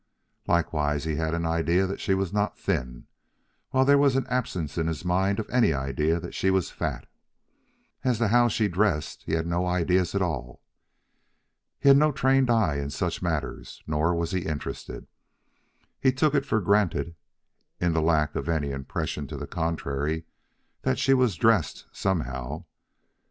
Likewise he had an idea that she was not thin, while there was an absence in his mind of any idea that she was fat. As to how she dressed, he had no ideas at all. He had no trained eye in such matters, nor was he interested. He took it for granted, in the lack of any impression to the contrary, that she was dressed some how.